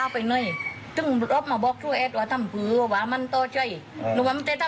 ผืนอะไรนะครับพี่หลุมกาจ๒๐๐บาท